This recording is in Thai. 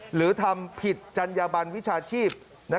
หรือทำผิดจัญญบันวิชาชีพ